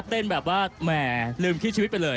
แบบว่าแหมลืมคิดชีวิตไปเลย